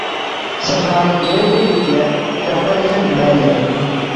Some have labeled it a separation barrier.